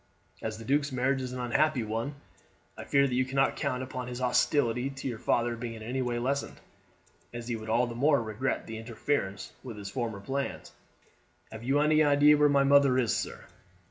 "As the duke's marriage is an unhappy one, I fear that you cannot count upon his hostility to your father being in any way lessened, as he would all the more regret the interference with his former plans." "Have you any idea where my mother is, sir?"